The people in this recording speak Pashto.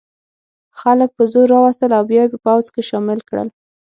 خلک په زور را وستل او بیا یې په پوځ کې شامل کړل.